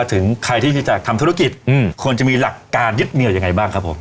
ถึงใครที่จะทำธุรกิจจะมีหลักการเดี๋ยวอย่างไรบ้างครับ